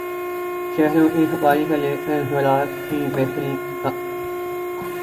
شہروں کی صفائی سے لے کر زراعت کی بہتری تک۔